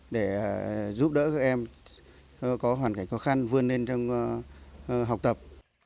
để giúp đỡ các em có hoàn cảnh khó khăn vươn lên trong học tập